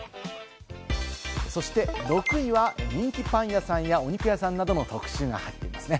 そして６位は、人気パン屋さんやお肉屋さんなどの特集が入っていますね。